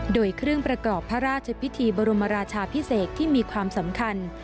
โดยเครื่องประกอบพระราชพิธีบรมราชาพิเศษที่มีความสำคัญ